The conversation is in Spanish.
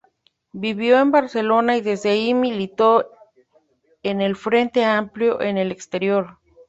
Vivió en Barcelona y desde allí militó en el Frente Amplio en el Exterior.